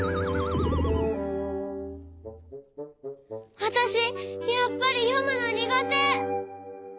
わたしやっぱりよむのにがて。